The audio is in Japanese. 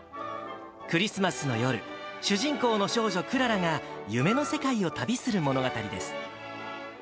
クリスマスの夜、主人公の少女、クララが夢の世界を旅する物語です。